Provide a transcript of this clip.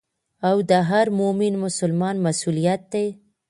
او د هر مؤمن مسلمان مسؤليت دي.